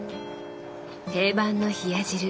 定番の冷や汁